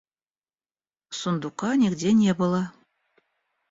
Сундука нигде не было.